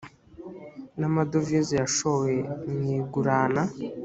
n amadovize yashowe mu igurana